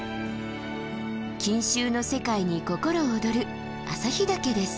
錦繍の世界に心躍る朝日岳です。